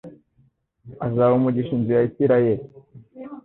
azaha umugisha inzu ya Israheli